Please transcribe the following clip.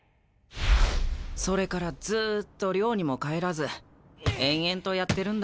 それからずっと寮にも帰らず延々とやってるんだ。